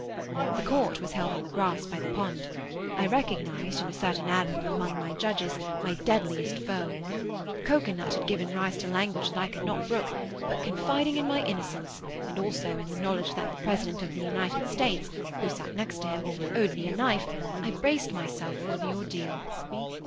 The court was held on the grass by the pond. I recognised, in a certain admiral among my judges, my deadliest foe. A cocoa nut had given rise to language that I could not brook; but confiding in my innocence, and also in the knowledge that the President of the United States (who sat next him) owed me a knife, I braced myself for the ordeal.